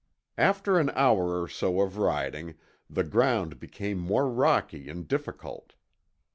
After an hour or so of riding, the ground became more rocky and difficult.